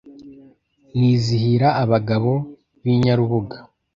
Nizihira abagabo b'inyarubuga,